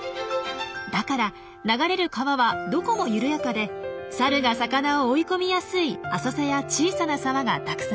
だから流れる川はどこも緩やかでサルが魚を追い込みやすい浅瀬や小さな沢がたくさんあります。